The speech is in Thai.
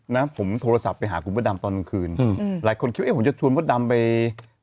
นะผมโทรศัพท์ไปหาคุณพระดำตอนกลางคืนอืมหลายคนคิดเอ๊ะผมจะชวนมดดำไป